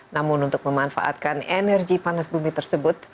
namun untuk memanfaatkan energi panas bumi tersebut